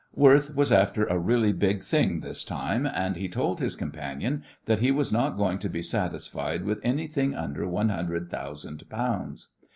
Worth was after a really big thing this time, and he told his companion that he was not going to be satisfied with anything under one hundred thousand pounds.